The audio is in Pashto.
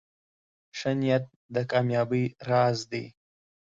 ښه نیت د کامیابۍ راز دی.